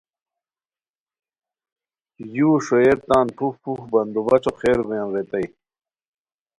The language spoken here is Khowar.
یو ݰوئیے تان پھوف پھوف بندوبچو خیر گویان ریتائے